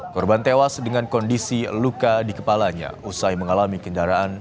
korban tewas dengan kondisi luka di kepalanya usai mengalami kendaraan